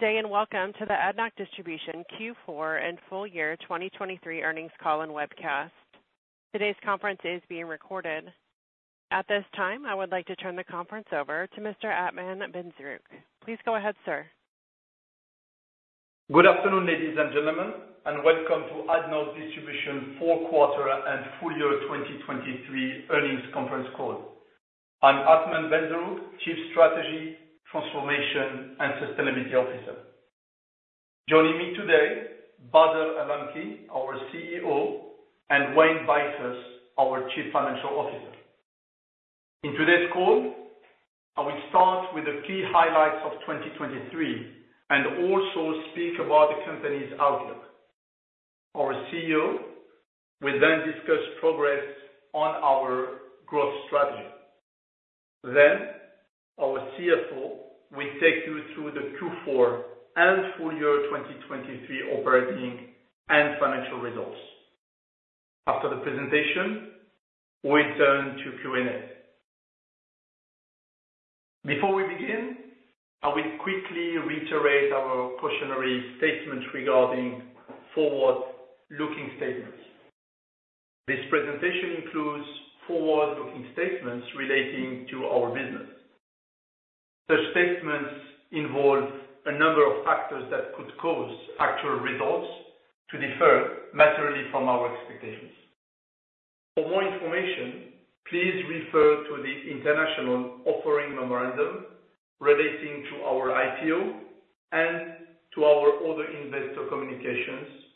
Good day, and welcome to the ADNOC Distribution Q4 and full-year 2023 earnings call and webcast. Today's conference is being recorded. At this time, I would like to turn the conference over to Mr. Athmane Benzerroug. Please go ahead, sir. Good afternoon, ladies and gentlemen, and welcome to ADNOC Distribution fourth quarter and full-year 2023 earnings conference call. I'm Athmane Benzerroug, Chief Strategy, Transformation, and Sustainability Officer. Joining me today, Bader Al Lamki, our CEO, and Wayne Beifus, our Chief Financial Officer. In today's call, I will start with the key highlights of 2023 and also speak about the company's outlook. Our CEO will then discuss progress on our growth strategy. Then our CFO will take you through the Q4 and full-year 2023 operating and financial results. After the presentation, we'll turn to Q&A. Before we begin, I will quickly reiterate our cautionary statement regarding forward-looking statements. This presentation includes forward-looking statements relating to our business. Such statements involve a number of factors that could cause actual results to differ materially from our expectations. For more information, please refer to the international offering memorandum relating to our IPO and to our other investor communications,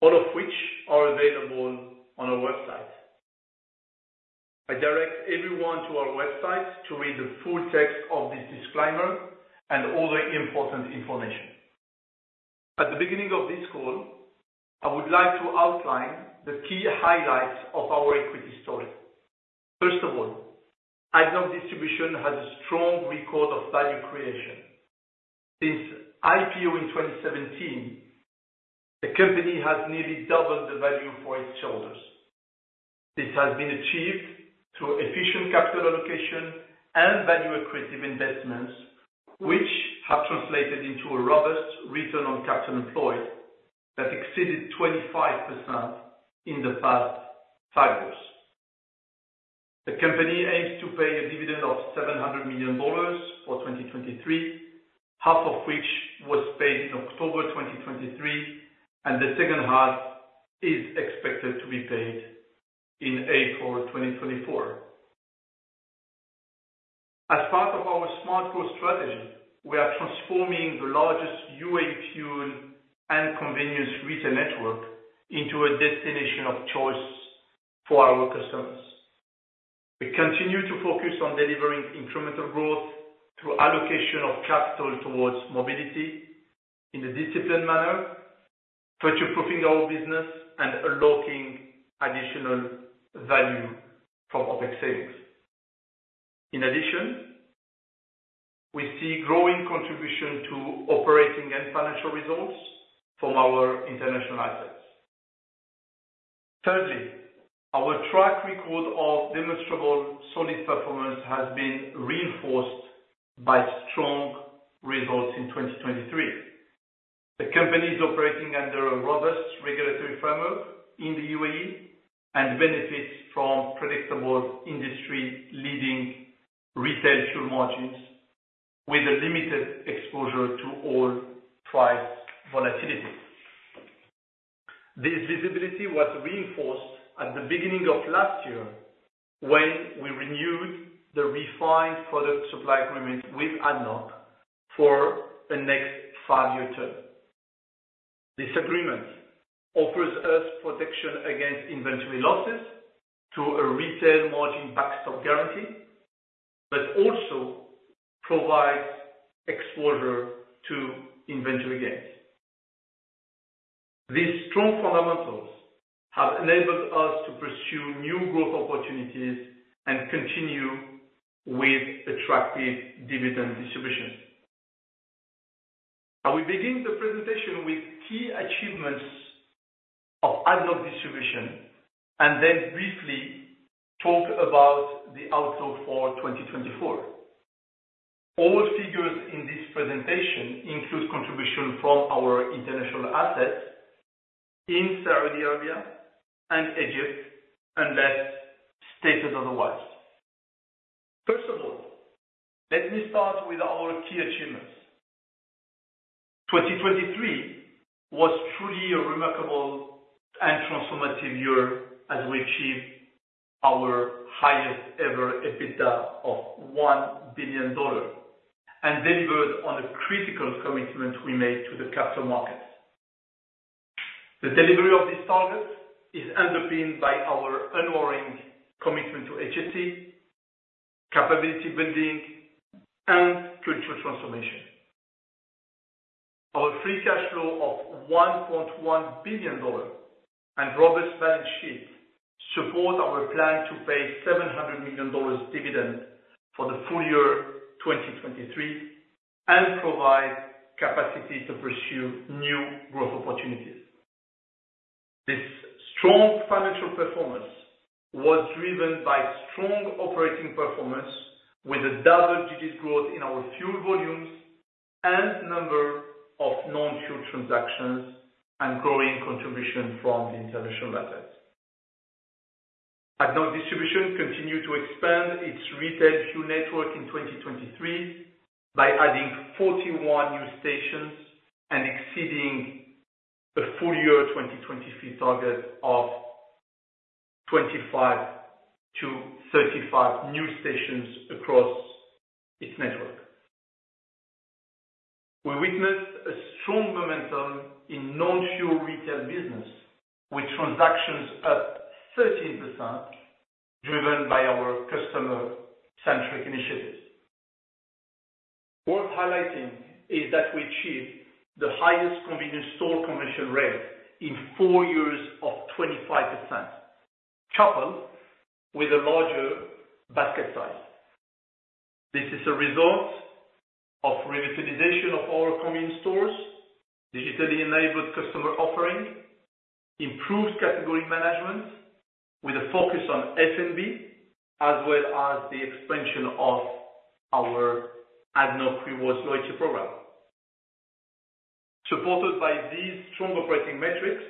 all of which are available on our website. I direct everyone to our website to read the full text of this disclaimer and other important information. At the beginning of this call, I would like to outline the key highlights of our equity story. First of all, ADNOC Distribution has a strong record of value creation. Since IPO in 2017, the company has nearly doubled the value for its shareholders. This has been achieved through efficient capital allocation and value accretive investments, which have translated into a robust return on capital employed that exceeded 25% in the past five years. The company aims to pay a dividend of $700 million for 2023, half of which was paid in October 2023, and the second half is expected to be paid in April 2024. As part of our smart growth strategy, we are transforming the largest UAE fuel and convenience retail network into a destination of choice for our customers. We continue to focus on delivering incremental growth through allocation of capital towards mobility in a disciplined manner, future-proofing our business, and unlocking additional value from OpEx savings. In addition, we see growing contribution to operating and financial results from our international assets. Thirdly, our track record of demonstrable solid performance has been reinforced by strong results in 2023. The company is operating under a robust regulatory framework in the UAE and benefits from predictable industry-leading retail fuel margins with a limited exposure to oil price volatility. This visibility was reinforced at the beginning of last year when we renewed the refined product supply agreement with ADNOC for the next five-year term. This agreement offers us protection against inventory losses to a retail margin backstop guarantee, but also provides exposure to inventory gains. These strong fundamentals have enabled us to pursue new growth opportunities and continue with attractive dividend distributions. I will begin the presentation with key achievements of ADNOC Distribution, and then briefly talk about the outlook for 2024. All figures in this presentation include contribution from our international assets in Saudi Arabia and Egypt, unless stated otherwise. First of all, let me start with our key achievements. 2023 was truly a remarkable and transformative year as we achieved our highest ever EBITDA of $1 billion, and delivered on a critical commitment we made to the capital markets. The delivery of this target is underpinned by our unwavering commitment to HSE, capability building, and cultural transformation. Our free cash flow of $1.1 billion and robust balance sheet support our plan to pay $700 million dividend for the full-year 2023, and provide capacity to pursue new growth opportunities. This strong financial performance was driven by strong operating performance, with a double-digit growth in our fuel volumes and number of non-fuel transactions and growing contribution from the international assets. ADNOC Distribution continued to expand its retail fuel network in 2023 by adding 41 new stations and exceeding the full-year 2023 target of 25-35 new stations across its network. We witnessed a strong momentum in non-fuel retail business, with transactions up 13%, driven by our customer-centric initiatives. Worth highlighting is that we achieved the highest convenience store conversion rate in four years of 25%, coupled with a larger basket size. This is a result of revitalization of all our convenience stores, digitally enabled customer offering, improved category management with a focus on F&B, as well as the expansion of our ADNOC Rewards loyalty program. Supported by these strong operating metrics,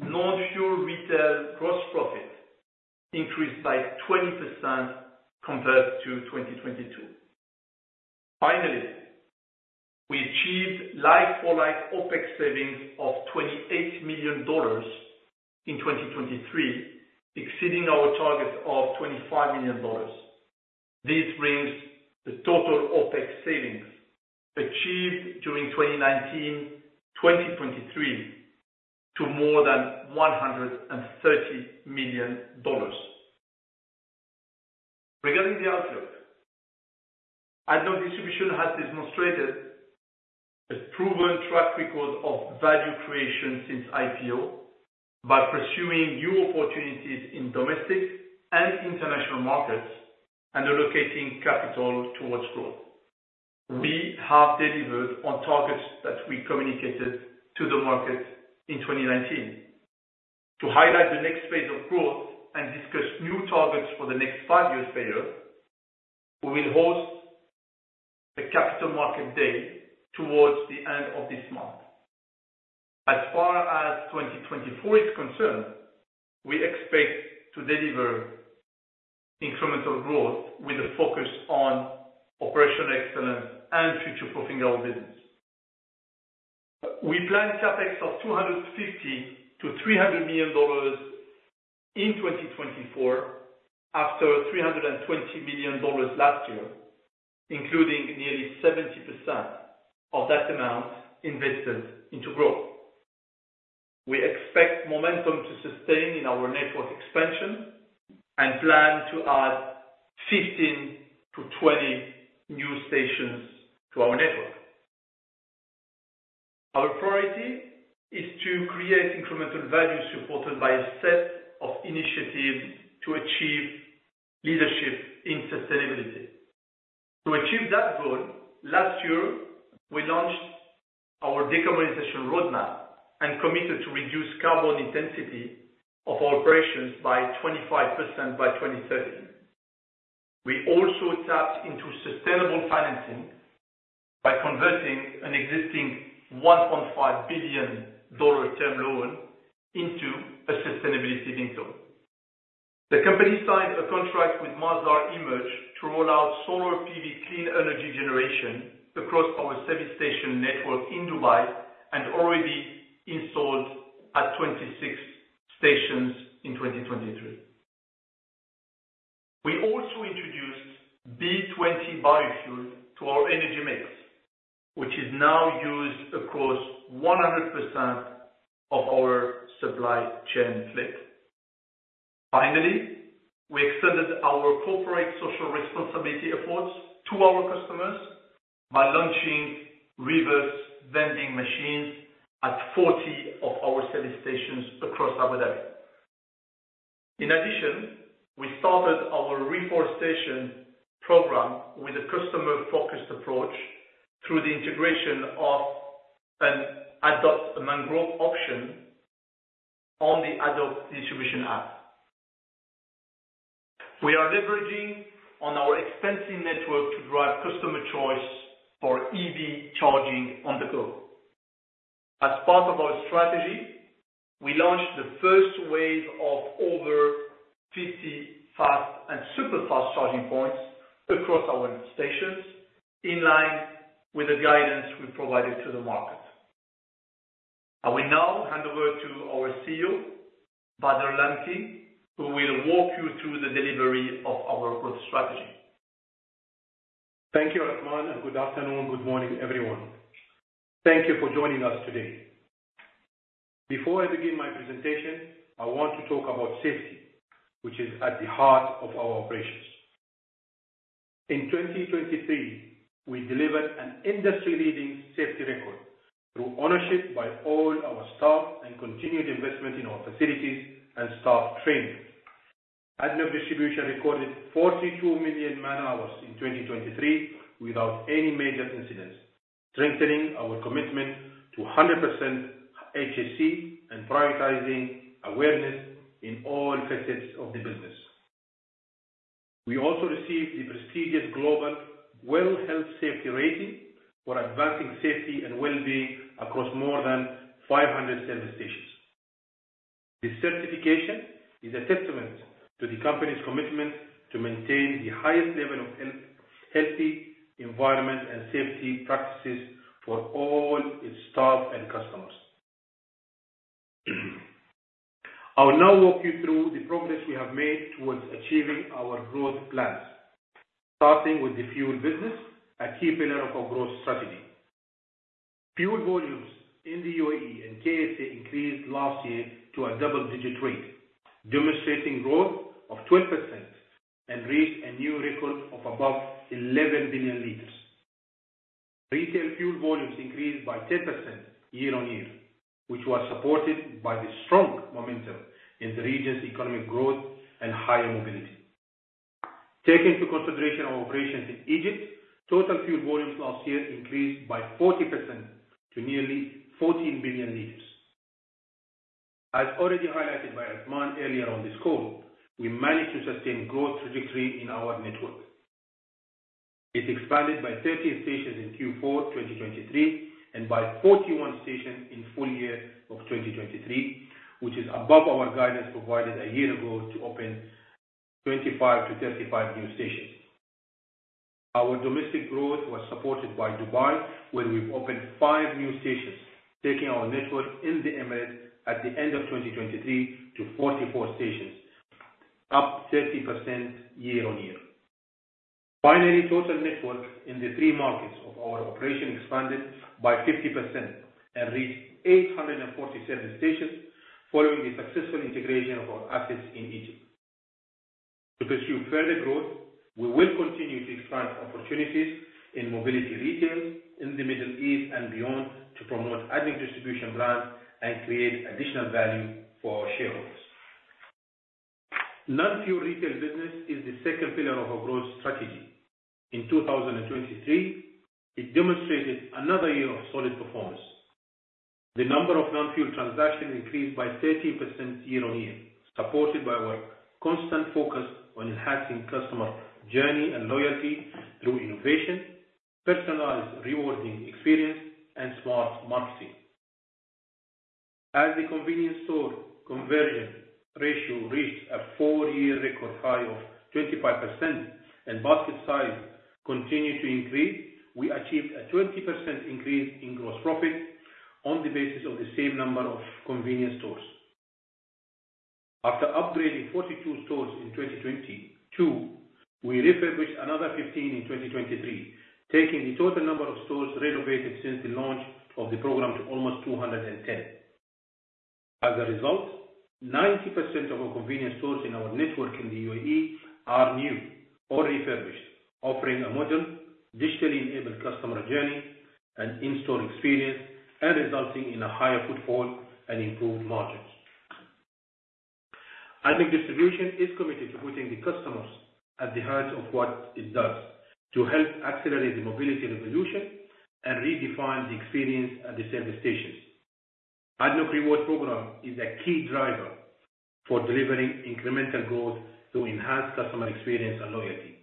non-fuel retail gross profit increased by 20% compared to 2022. Finally, we achieved like-for-like OpEx savings of $28 million in 2023, exceeding our target of $25 million. This brings the total OpEx savings achieved during 2019-2023 to more than $130 million. Regarding the outlook, ADNOC Distribution has demonstrated a proven track record of value creation since IPO by pursuing new opportunities in domestic and international markets and allocating capital towards growth. We have delivered on targets that we communicated to the market in 2019. To highlight the next phase of growth and discuss new targets for the next five-year period, we will host a Capital Markets Day towards the end of this month. As far as 2024 is concerned, we expect to deliver incremental growth with a focus on operational excellence and future-proofing our business. We plan CapEx of $250 million-$300 million in 2024, after $320 million last year, including nearly 70% of that amount invested into growth. We expect momentum to sustain in our network expansion and plan to add 15-20 new stations to our network. Our priority is to create incremental value, supported by a set of initiatives to achieve leadership in sustainability. To achieve that goal, last year, we launched our decarbonization roadmap and committed to reduce carbon intensity of our operations by 25% by 2030. We also tapped into sustainable financing by converting an existing $1.5 billion term loan into a sustainability-linked loan. The company signed a contract with Masdar Emerge to roll out solar PV clean energy generation across our service station network in Dubai, and already installed at 26 stations in 2023. We also introduced B20 biofuel to our energy mix, which is now used across 100% of our supply chain fleet. Finally, we extended our corporate social responsibility efforts to our customers by launching reverse vending machines at 40 of our service stations across Abu Dhabi. In addition, we started our reforestation program with a customer-focused approach through the integration of an Adopt a Mangrove option on the ADNOC Distribution app. We are leveraging on our extensive network to drive customer choice for EV charging on the go. As part of our strategy, we launched the first wave of over 50 fast and super-fast charging points across our stations, in line with the guidance we provided to the market. I will now hand over to our CEO, Bader Al Lamki, who will walk you through the delivery of our growth strategy. Thank you, Athmane, and good afternoon. Good morning, everyone. Thank you for joining us today. Before I begin my presentation, I want to talk about safety, which is at the heart of our operations. In 2023, we delivered an industry-leading safety record through ownership by all our staff and continued investment in our facilities and staff training. ADNOC Distribution recorded 42 million man hours in 2023 without any major incidents, strengthening our commitment to 100% HSE and prioritizing awareness in all facets of the business. We also received the prestigious global WELL Health-Safety Rating for advancing safety and well-being across more than 500 service stations. This certification is a testament to the company's commitment to maintain the highest level of health, healthy environment, and safety practices for all its staff and customers. I will now walk you through the progress we have made towards achieving our growth plans, starting with the fuel business, a key pillar of our growth strategy. Fuel volumes in the UAE and KSA increased last year to a double-digit rate, demonstrating growth of 12% and reached a new record of above 11 billion liters. Retail fuel volumes increased by 10% year-on-year, which was supported by the strong momentum in the region's economic growth and higher mobility. Taking into consideration our operations in Egypt, total fuel volumes last year increased by 40% to nearly 14 billion liters. As already highlighted by Athmane earlier on this call, we managed to sustain growth trajectory in our network. It expanded by 30 stations in Q4 2023, and by 41 stations in full-year of 2023, which is above our guidance, provided a year ago to open 25-35 new stations. Our domestic growth was supported by Dubai, where we've opened five new stations, taking our network in the Emirates at the end of 2023 to 44 stations, up 30% year-on-year. Finally, total network in the three markets of our operation expanded by 50% and reached 847 stations, following the successful integration of our assets in Egypt. To pursue further growth, we will continue to explore opportunities in mobility retail in the Middle East and beyond, to promote ADNOC Distribution brands and create additional value for our shareholders. Non-fuel retail business is the second pillar of our growth strategy. In 2023, it demonstrated another year of solid performance. The number of non-fuel transactions increased by 30% year-on-year, supported by our constant focus on enhancing customer journey and loyalty through innovation, personalized rewarding experience, and smart marketing. As the convenience store conversion ratio reached a four-year record high of 25%, and basket size continued to increase, we achieved a 20% increase in gross profit on the basis of the same number of convenience stores. After upgrading 42 stores in 2022, we refurbished another 15 in 2023, taking the total number of stores renovated since the launch of the program to almost 210. As a result, 90% of our convenience stores in our network in the UAE are new or refurbished, offering a modern, digitally-enabled customer journey and in-store experience, and resulting in a higher footfall and improved margins. ADNOC Distribution is committed to putting the customers at the heart of what it does, to help accelerate the mobility revolution and redefine the experience at the service stations. ADNOC Rewards program is a key driver for delivering incremental growth to enhance customer experience and loyalty.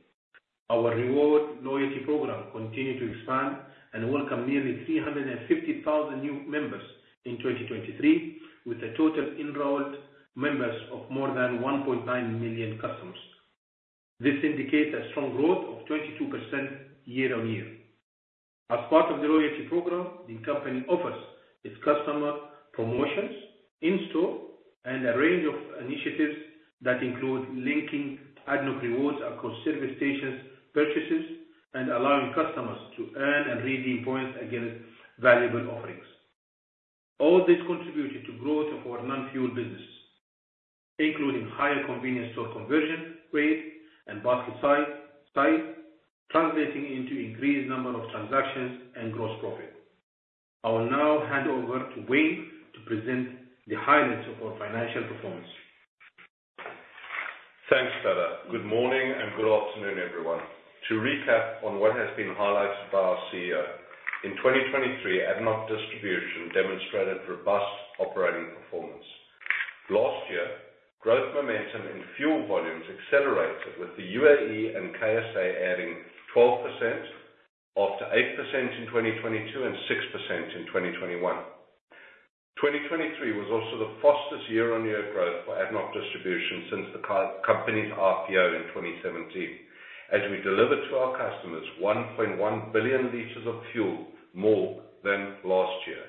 Our Rewards loyalty program continued to expand and welcome nearly 350,000 new members in 2023, with a total enrolled members of more than 1.9 million customers. This indicates a strong growth of 22% year-on-year. As part of the loyalty program, the company offers its customer promotions in-store and a range of initiatives that include linking ADNOC Rewards across service stations purchases and allowing customers to earn and redeem points against valuable offerings. All this contributed to growth of our non-fuel business, including higher convenience store conversion rates and basket size, translating into increased number of transactions and gross profit. I will now hand over to Wayne to present the highlights of our financial performance. Thanks, Bader. Good morning and good afternoon, everyone. To recap on what has been highlighted by our CEO, in 2023, ADNOC Distribution demonstrated robust operating performance. Last year, growth momentum in fuel volumes accelerated, with the UAE and KSA adding 12% after 8% in 2022 and 6% in 2021. 2023 was also the fastest year-on-year growth for ADNOC Distribution since the company's IPO in 2017, as we delivered to our customers 1.1 billion liters of fuel, more than last year.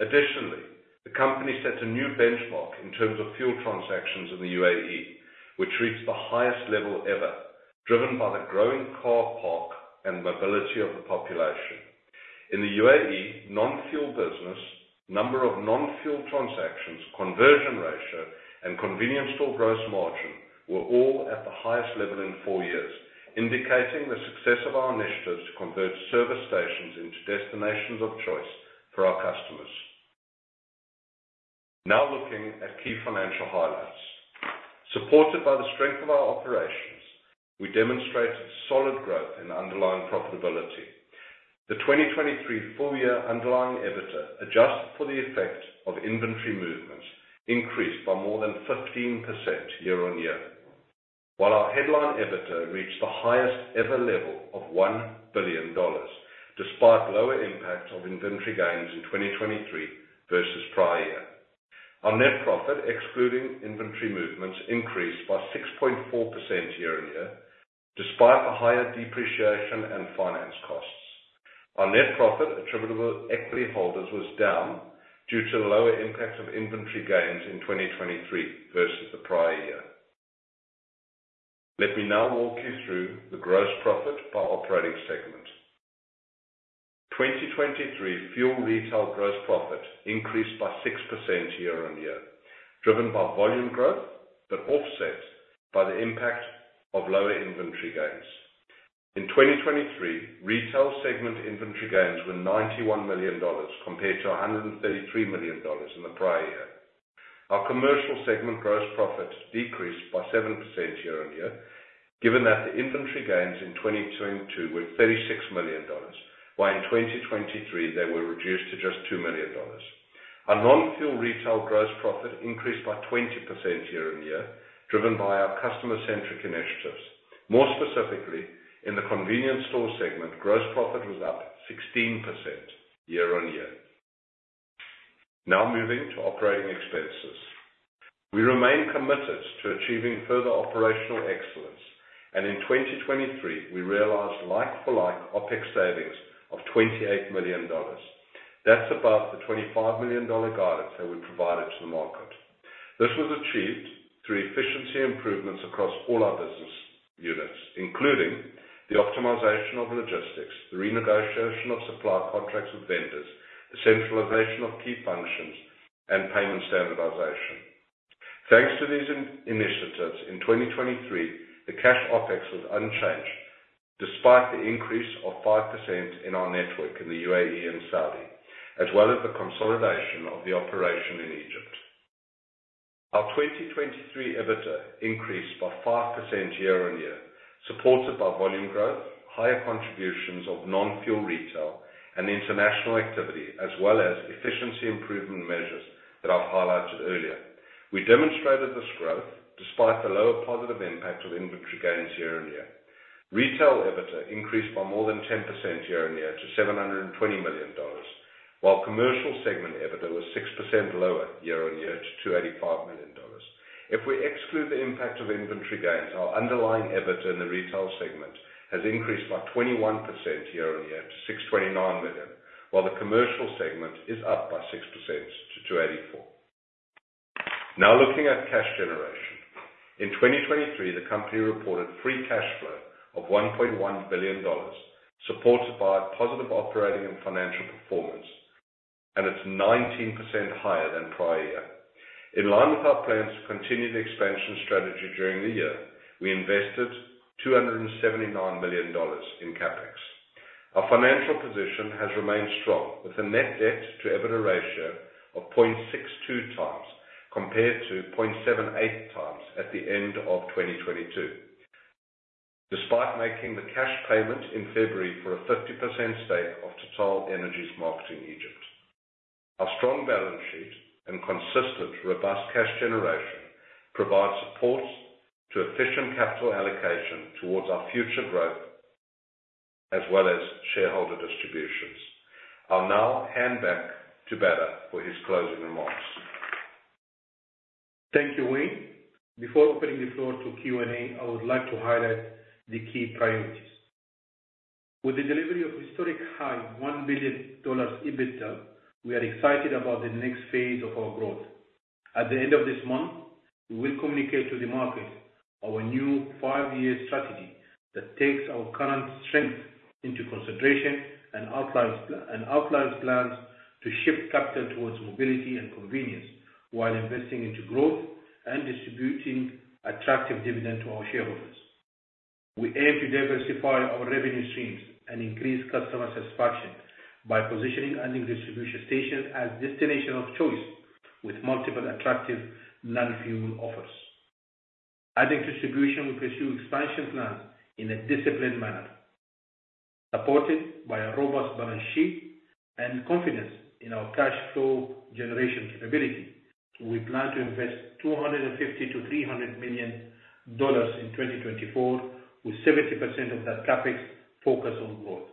Additionally, the company set a new benchmark in terms of fuel transactions in the UAE, which reached the highest level ever, driven by the growing car park and mobility of the population. In the UAE, non-fuel business, number of non-fuel transactions, conversion ratio, and convenience store gross margin were all at the highest level in four years, indicating the success of our initiatives to convert service stations into destinations of choice for our customers. Now looking at key financial highlights. Supported by the strength of our operations, we demonstrated solid growth in underlying profitability. The 2023 full-year underlying EBITDA, adjusted for the effect of inventory movements, increased by more than 15% year-on-year, while our headline EBITDA reached the highest ever level of $1 billion, despite lower impact of inventory gains in 2023 versus prior year. Our net profit, excluding inventory movements, increased by 6.4% year-on-year, despite the higher depreciation and finance costs. Our net profit attributable to equity holders was down due to the lower impact of inventory gains in 2023 versus the prior year. Let me now walk you through the gross profit by operating segment. 2023 fuel retail gross profit increased by 6% year-on-year, driven by volume growth, but offset by the impact of lower inventory gains. In 2023, retail segment inventory gains were $91 million, compared to $133 million in the prior year. Our commercial segment gross profit decreased by 7% year-on-year, given that the inventory gains in 2022 were $36 million, while in 2023 they were reduced to just $2 million. Our non-fuel retail gross profit increased by 20% year-on-year, driven by our customer-centric initiatives. More specifically, in the convenience store segment, gross profit was up 16% year-on-year. Now moving to operating expenses. We remain committed to achieving further operational excellence, and in 2023, we realized like-for-like OpEx savings of $28 million. That's above the $25 million guidance that we provided to the market. This was achieved through efficiency improvements across all our business units, including the optimization of logistics, the renegotiation of supply contracts with vendors, the centralization of key functions, and payment standardization. Thanks to these initiatives, in 2023, the cash OpEx was unchanged, despite the increase of 5% in our network in the UAE and Saudi, as well as the consolidation of the operation in Egypt. Our 2023 EBITDA increased by 5% year-on-year, supported by volume growth, higher contributions of non-fuel retail and international activity, as well as efficiency improvement measures that I've highlighted earlier. We demonstrated this growth despite the lower positive impact of inventory gains year-on-year. Retail EBITDA increased by more than 10% year-on-year to $720 million, while commercial segment EBITDA was 6% lower year-on-year to $285 million. If we exclude the impact of inventory gains, our underlying EBITDA in the retail segment has increased by 21% year-on-year to $629 million, while the commercial segment is up by 6% to $284 million. Now looking at cash generation. In 2023, the company reported free cash flow of $1.1 billion, supported by a positive operating and financial performance, and it's 19% higher than prior year. In line with our plans to continue the expansion strategy during the year, we invested $279 million in CapEx. Our financial position has remained strong, with a net debt-to-EBITDA ratio of 0.62 times compared to 0.78 times at the end of 2022, despite making the cash payment in February for a 50% stake of TotalEnergies Marketing Egypt. Our strong balance sheet and consistent, robust cash generation provide support to efficient capital allocation towards our future growth as well as shareholder distributions. I'll now hand back to Bader for his closing remarks. Thank you, Wayne. Before opening the floor to Q&A, I would like to highlight the key priorities. With the delivery of historic high $1 billion EBITDA, we are excited about the next phase of our growth. At the end of this month, we will communicate to the market our new five-year strategy that takes our current strength into consideration and outlines plans to shift capital towards mobility and convenience, while investing into growth and distributing attractive dividend to our shareholders. We aim to diversify our revenue streams and increase customer satisfaction by positioning ADNOC Distribution stations as destination of choice with multiple attractive non-fuel offers. ADNOC Distribution, we pursue expansion plans in a disciplined manner, supported by a robust balance sheet and confidence in our cash flow generation capability. We plan to invest $250 million-$300 million in 2024, with 70% of that CapEx focused on growth.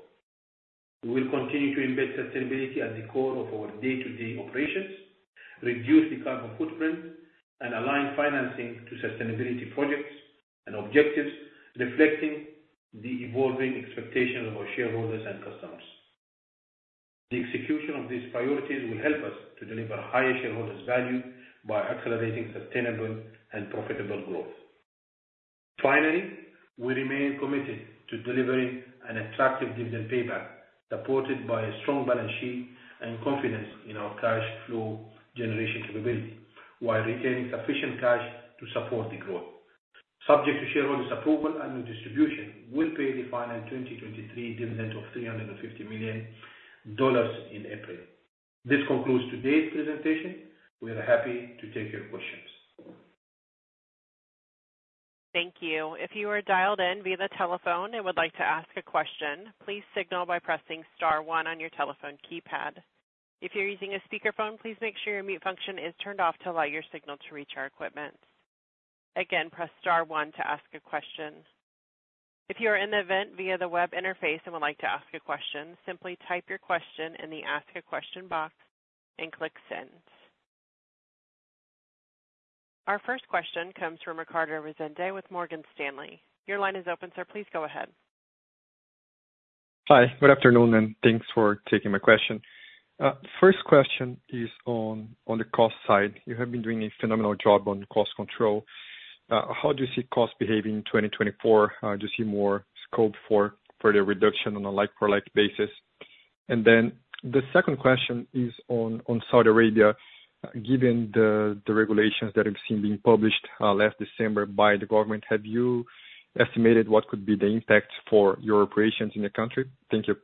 We will continue to embed sustainability at the core of our day-to-day operations, reduce the carbon footprint, and align financing to sustainability projects and objectives, reflecting the evolving expectations of our shareholders and customers. The execution of these priorities will help us to deliver higher shareholders value by accelerating sustainable and profitable growth. Finally, we remain committed to delivering an attractive dividend payout, supported by a strong balance sheet and confidence in our cash flow generation capability, while retaining sufficient cash to support the growth.... subject to shareholders' approval and new distribution, we'll pay the final 2023 dividend of $350 million in April. This concludes today's presentation. We are happy to take your questions. Thank you. If you are dialed in via the telephone and would like to ask a question, please signal by pressing star one on your telephone keypad. If you're using a speakerphone, please make sure your mute function is turned off to allow your signal to reach our equipment. Again, press star one to ask a question. If you are in the event via the web interface and would like to ask a question, simply type your question in the Ask a Question box and click Send. Our first question comes from Ricardo Rezende with Morgan Stanley. Your line is open, sir. Please go ahead. Hi, good afternoon, and thanks for taking my question. First question is on, on the cost side. You have been doing a phenomenal job on cost control. How do you see cost behaving in 2024? Do you see more scope for further reduction on a like-for-like basis? And then the second question is on, on Saudi Arabia. Given the, the regulations that have seen being published, last December by the government, have you estimated what could be the impact for your operations in the country? Thank you.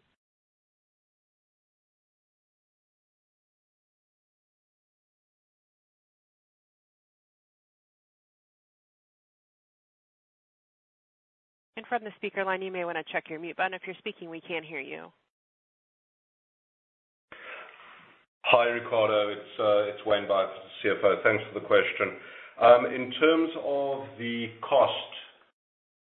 From the speaker line, you may want to check your mute button. If you're speaking, we can't hear you. Hi, Ricardo, it's, it's Wayne Beifus, the CFO. Thanks for the question. In terms of the cost,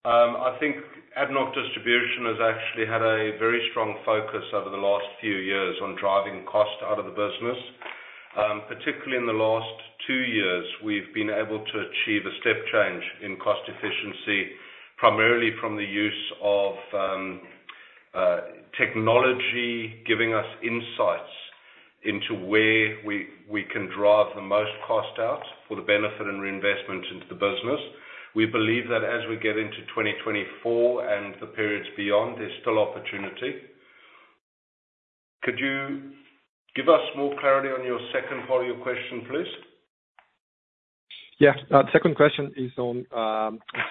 I think ADNOC Distribution has actually had a very strong focus over the last few years on driving cost out of the business. Particularly in the last two years, we've been able to achieve a step change in cost efficiency, primarily from the use of, technology, giving us insights into where we, we can drive the most cost out for the benefit and reinvestment into the business. We believe that as we get into 2024 and the periods beyond, there's still opportunity. Could you give us more clarity on your second part of your question, please? Yeah. Second question is on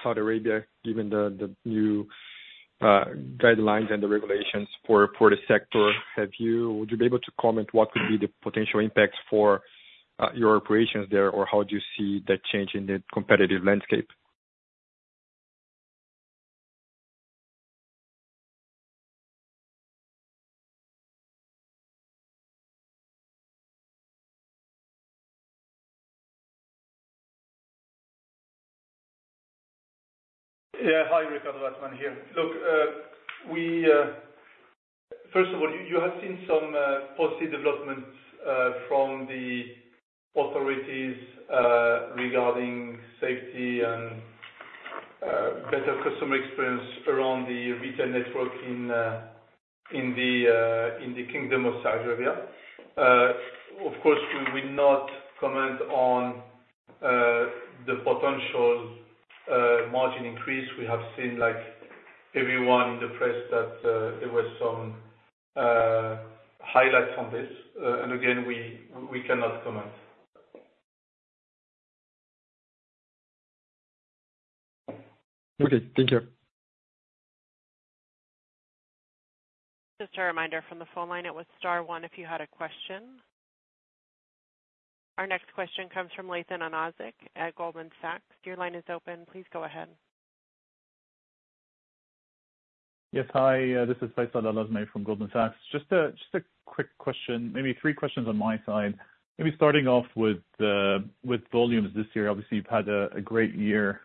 Saudi Arabia. Given the new guidelines and the regulations for the sector, would you be able to comment what could be the potential impacts for your operations there, or how do you see that change in the competitive landscape? Yeah. Hi, Ricardo, Athmane here. Look, we first of all, you have seen some policy developments from the authorities regarding safety and better customer experience around the retail network in the Kingdom of Saudi Arabia. Of course, we will not comment on the potential margin increase. We have seen, like everyone in the press, that there were some highlights on this. And again, we cannot comment. Okay, thank you. Just a reminder from the phone line, it was star one if you had a question. Our next question comes from Faisal Al Azmeh at Goldman Sachs. Your line is open. Please go ahead. Yes. Hi, this is Faisal Al Azmeh from Goldman Sachs. Just a quick question, maybe three questions on my side. Maybe starting off with volumes this year. Obviously, you've had a great year.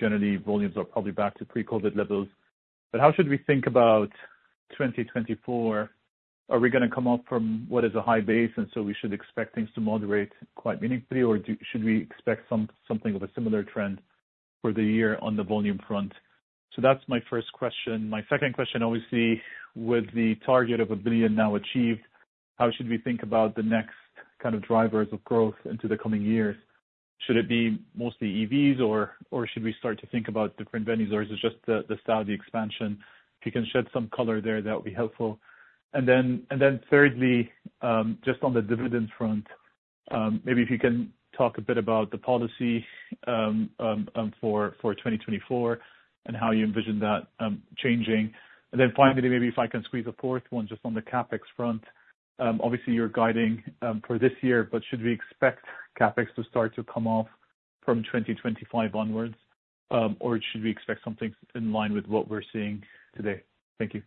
Generally, volumes are probably back to pre-COVID levels, but how should we think about 2024? Are we gonna come up from what is a high base, and so we should expect things to moderate quite meaningfully, or should we expect something of a similar trend for the year on the volume front? So that's my first question. My second question: obviously, with the target of $1 billion now achieved, how should we think about the next kind of drivers of growth into the coming years? Should it be mostly EVs, or should we start to think about different venues, or is it just the Saudi expansion? If you can shed some color there, that would be helpful. And then thirdly, just on the dividend front, maybe if you can talk a bit about the policy for 2024 and how you envision that changing. And then finally, maybe if I can squeeze a fourth one, just on the CapEx front. Obviously, you're guiding for this year, but should we expect CapEx to start to come off from 2025 onwards? Or should we expect something in line with what we're seeing today? Thank you.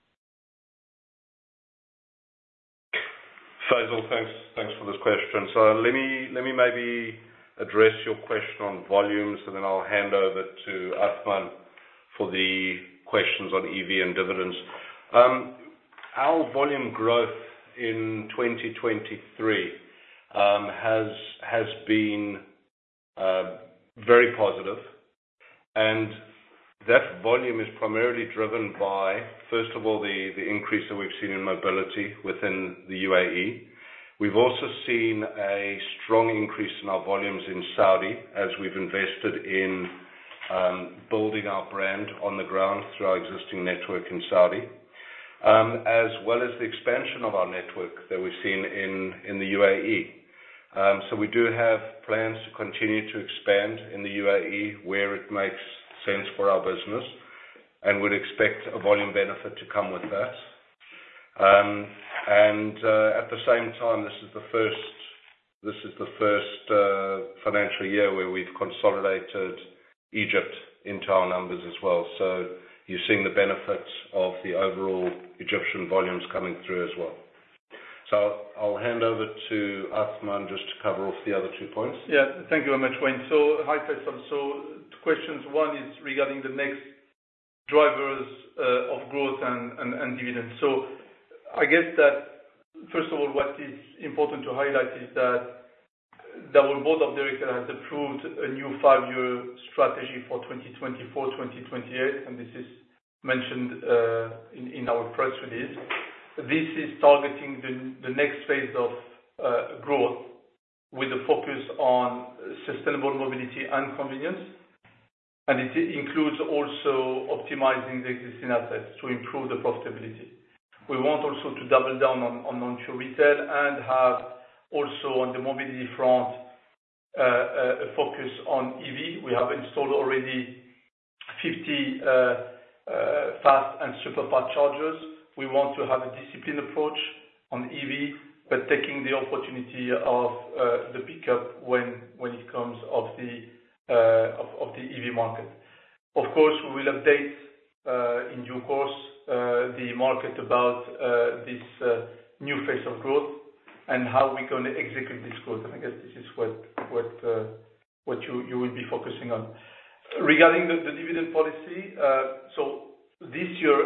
Faisal, thanks. Thanks for this question. So let me maybe address your question on volumes, and then I'll hand over to Athmane for the questions on EV and dividends. Our volume growth in 2023 has been very positive, and that volume is primarily driven by, first of all, the increase that we've seen in mobility within the UAE. We've also seen a strong increase in our volumes in Saudi, as we've invested in building our brand on the ground through our existing network in Saudi, as well as the expansion of our network that we've seen in the UAE. So we do have plans to continue to expand in the UAE where it makes sense for our business, and would expect a volume benefit to come with that. At the same time, this is the first financial year where we've consolidated Egypt into our numbers as well. So you're seeing the benefits of the overall Egyptian volumes coming through as well. So I'll hand over to Athmane just to cover off the other two points. Yeah, thank you very much, Wayne. So hi, Faisal. So question one is regarding the next drivers of growth and dividends. So I guess that, first of all, what is important to highlight is that our board of directors has approved a new five-year strategy for 2024-2028, and this is mentioned in our press release. This is targeting the next phase of growth with a focus on sustainable mobility and convenience, and it includes also optimizing the existing assets to improve the profitability. We want also to double down on non-fuel retail and have also, on the mobility front, a focus on EV. We have installed already 50 fast and super-fast chargers. We want to have a disciplined approach on EV, but taking the opportunity of the pickup when it comes of the EV market. Of course, we will update in due course the market about this new phase of growth and how we're going to execute this growth. And I guess this is what you will be focusing on. Regarding the dividend policy, so this year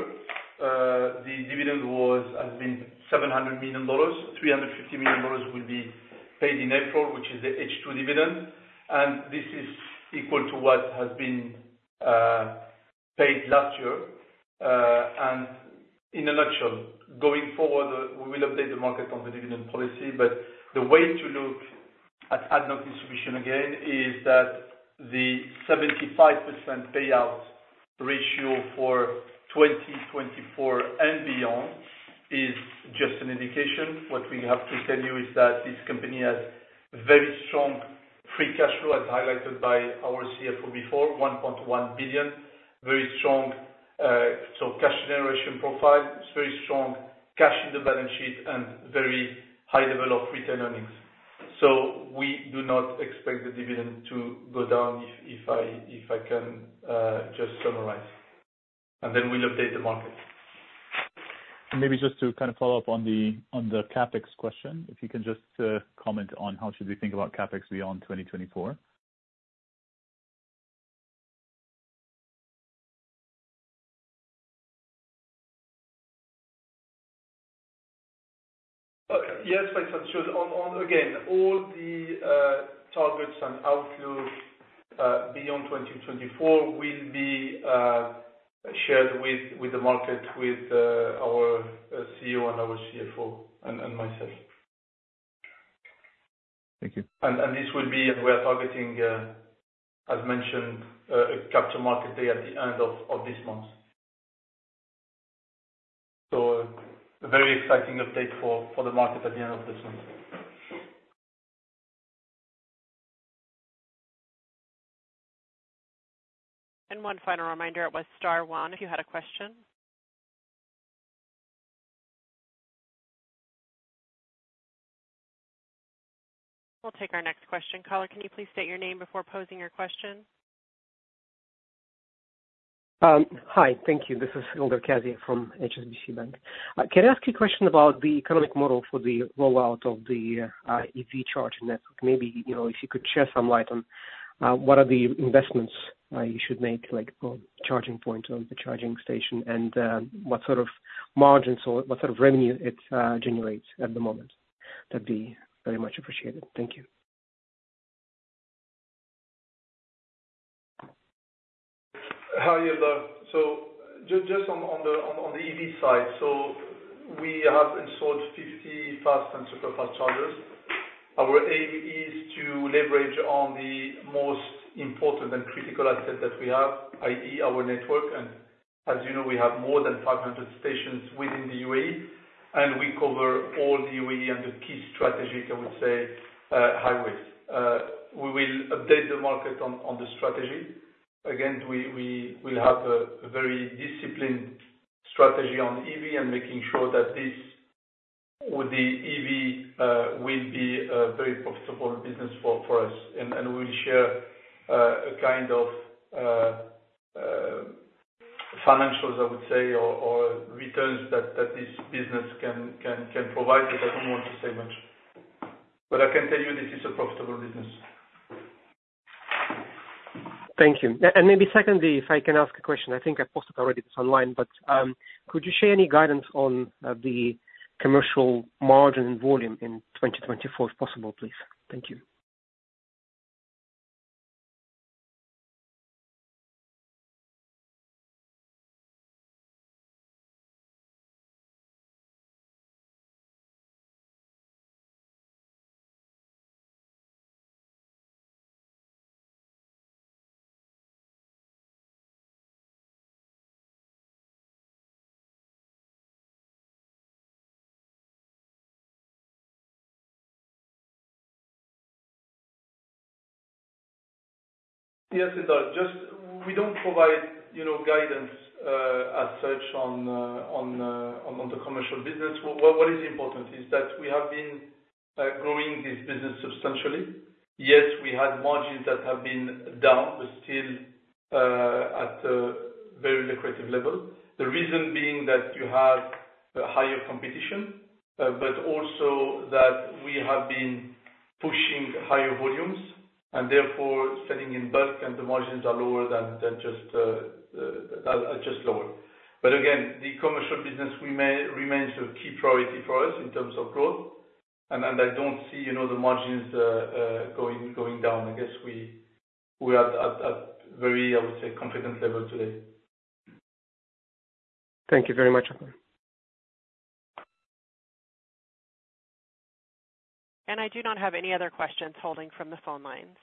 the dividend was, has been $700 million. $350 million will be paid in April, which is the H2 dividend, and this is equal to what has been paid last year. And in a nutshell, going forward, we will update the market on the dividend policy. But the way to look at ADNOC Distribution again, is that the 75% payout ratio for 2024 and beyond is just an indication. What we have to tell you is that this company has very strong free cash flow, as highlighted by our CFO before, $1.1 billion. Very strong, so cash generation profile. It's very strong cash in the balance sheet and very high level of return earnings. So we do not expect the dividend to go down, if I can just summarize, and then we'll update the market. And maybe just to kind of follow up on the CapEx question, if you can just comment on how should we think about CapEx beyond 2024? Yes, Faisal. So on, on again, all the targets and outlook beyond 2024 will be shared with the market, with our CEO and our CFO and myself. Thank you. This will be... We are targeting, as mentioned, a Capital Markets Day at the end of this month. So a very exciting update for the market at the end of this month. One final reminder, it was star one, if you had a question. We'll take our next question. Caller, can you please state your name before posing your question? Hi. Thank you. This is Ildar Khaziev from HSBC Bank. Can I ask you a question about the economic model for the rollout of the EV charging network? Maybe, you know, if you could share some light on what are the investments you should make, like, on charging points or the charging station, and what sort of margins or what sort of revenue it generates at the moment? That'd be very much appreciated. Thank you. Hi, Ildar. So just on the EV side. So we have installed 50 fast and super-fast chargers. Our aim is to leverage on the most important and critical asset that we have, i.e., our network, and as you know, we have more than 500 stations within the UAE, and we cover all the UAE and the key strategy, I would say, highways. We will update the market on the strategy. Again, we will have a very disciplined strategy on EV and making sure that this with the EV will be a very profitable business for us. And we'll share a kind of financials, I would say, or returns that this business can provide, but I don't want to say much. But I can tell you this is a profitable business. Thank you. And maybe secondly, if I can ask a question, I think I posted already this online, but, could you share any guidance on the commercial margin volume in 2024, if possible, please? Thank you. ... Yes, it does. Just we don't provide, you know, guidance, as such on, on, on the commercial business. What is important is that we have been growing this business substantially. Yes, we had margins that have been down, but still, at a very lucrative level. The reason being that you have a higher competition, but also that we have been pushing higher volumes and therefore selling in bulk, and the margins are lower than, than just, are just lower. But again, the commercial business remains a key priority for us in terms of growth. And I don't see, you know, the margins going down. I guess we are at very, I would say, confident level today. Thank you very much. I do not have any other questions holding from the phone lines.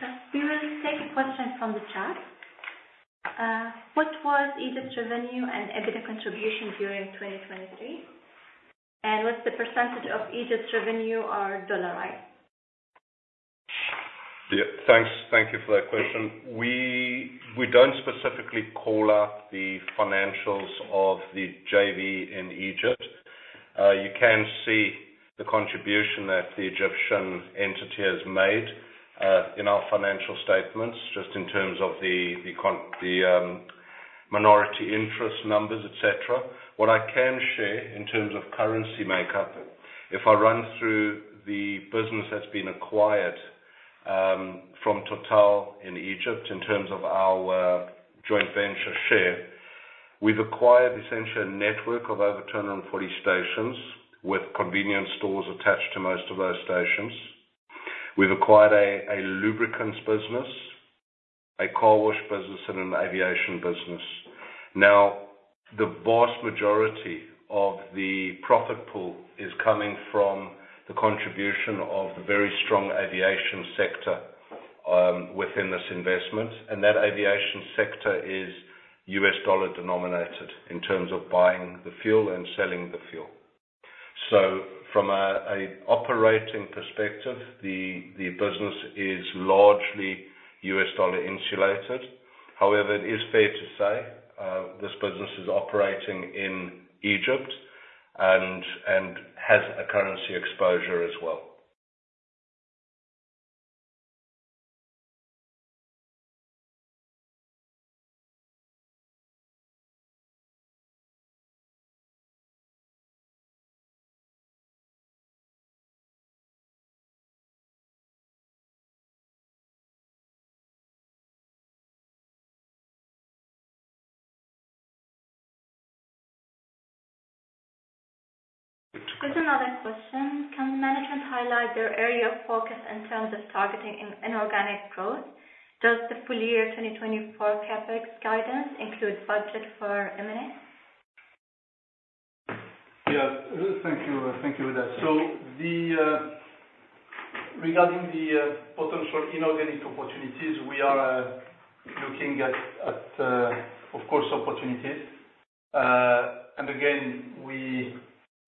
So we will take a question from the chat. What was Egypt's revenue and EBITDA contribution during 2023? And was the percentage of Egypt's revenue are dollarized? Yeah, thanks. Thank you for that question. We, we don't specifically call out the financials of the JV in Egypt. You can see the contribution that the Egyptian entity has made in our financial statements, just in terms of the minority interest numbers, et cetera. What I can share in terms of currency makeup, if I run through the business that's been acquired from Total in Egypt, in terms of our joint venture share, we've acquired essentially a network of over 240 stations with convenience stores attached to most of those stations. We've acquired a lubricants business, a car wash business, and an aviation business. Now, the vast majority of the profit pool is coming from the contribution of the very strong aviation sector within this investment. That aviation sector is U.S. dollar denominated in terms of buying the fuel and selling the fuel. So from a operating perspective, the business is largely U.S. dollar insulated. However, it is fair to say this business is operating in Egypt and has a currency exposure as well. There's another question. Can management highlight their area of focus in terms of targeting in inorganic growth? Does the full-year 2024 CapEx guidance include budget for M&A? Yeah, thank you. Thank you for that. So the, regarding the potential inorganic opportunities, we are looking at, of course, opportunities. And again, we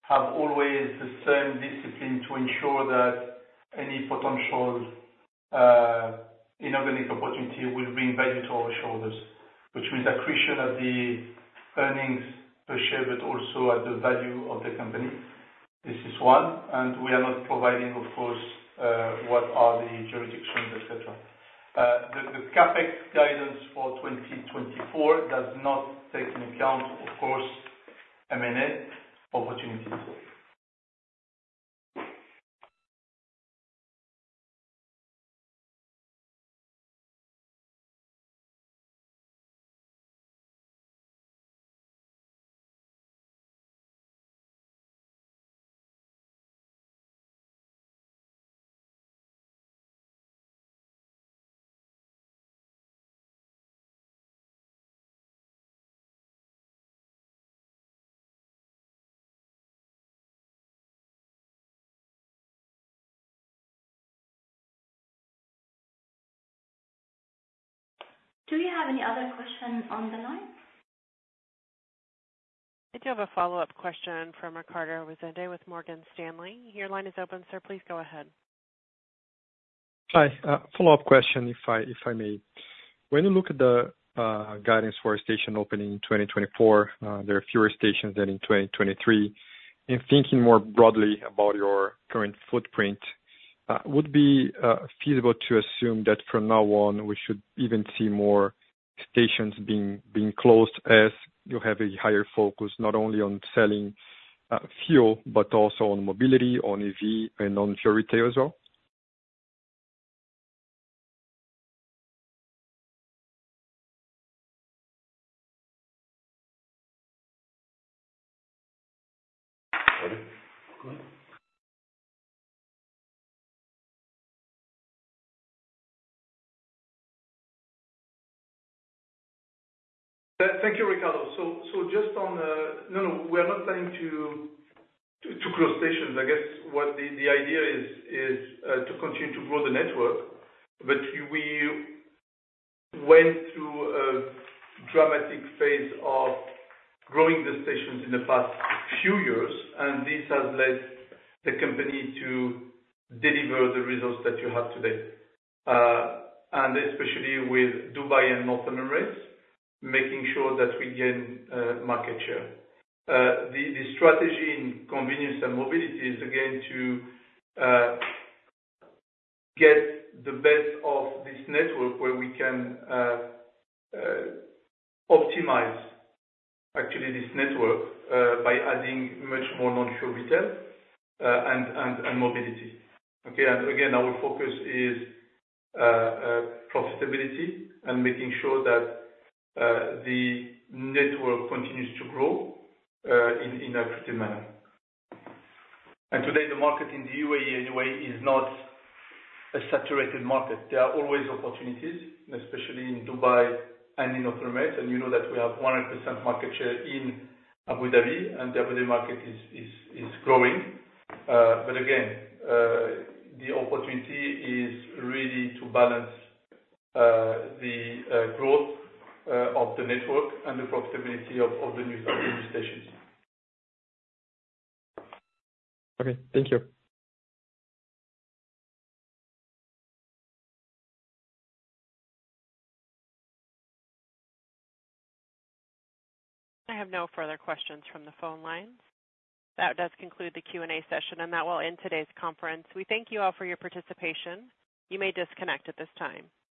have always the same discipline to ensure that any potential inorganic opportunity will bring value to our shareholders, which means accretion of the earnings per share, but also at the value of the company. This is one, and we are not providing, of course, what are the jurisdictions, et cetera. The CapEx guidance for 2024 does not take into account, of course, M&A opportunities. Do you have any other questions on the line? I do have a follow-up question from Ricardo Rezende with Morgan Stanley. Your line is open, sir. Please go ahead. Hi, follow-up question, if I may. When you look at the guidance for a station opening in 2024, there are fewer stations than in 2023. In thinking more broadly about your current footprint, would it be feasible to assume that from now on, we should even see more stations being closed as you have a higher focus, not only on selling fuel, but also on mobility, on EV and on pure retail as well? Thank you, Ricardo. So just on the... No, no, we are not planning to close stations. I guess what the idea is to continue to grow the network. But we went through a dramatic phase of growing the stations in the past few years, and this has led the company to deliver the results that you have today. And especially with Dubai and Northern Emirates, making sure that we gain market share. The strategy in convenience and mobility is again to get the best of this network where we can optimize actually this network by adding much more non-fuel retail and mobility. Okay, and again, our focus is profitability and making sure that the network continues to grow in an effective manner. Today, the market in the UAE, anyway, is not a saturated market. There are always opportunities, especially in Dubai and in other Emirates, and you know that we have 100% market share in Abu Dhabi, and the Abu Dhabi market is growing. But again, the opportunity is really to balance the growth of the network and the profitability of the new stations. Okay, thank you. I have no further questions from the phone lines. That does conclude the Q&A session, and that will end today's conference. We thank you all for your participation. You may disconnect at this time.